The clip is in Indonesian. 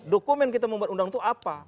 dokumen kita membuat undang itu apa